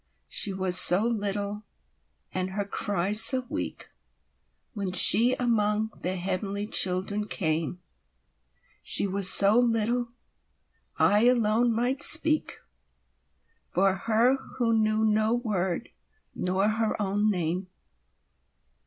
She was so little, and her cry so weakWhen she among the heavenly children came—She was so little—I alone might speakFor her who knew no word nor her own name.